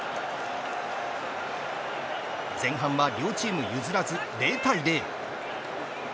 前半は両チーム譲らず０対０。